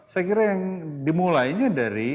saya kira yang dimulainya dari